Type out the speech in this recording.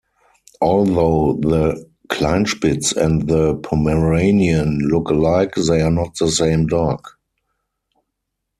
Although the Kleinspitz and the Pomeranian look alike, they are not the same dog.